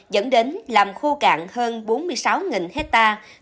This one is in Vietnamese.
dẫn đến làm khô cạn hơn bốn mươi sáu hectare